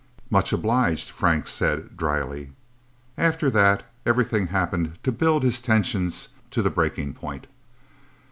"Much obliged," Frank said dryly. After that, everything happened to build his tensions to the breaking point.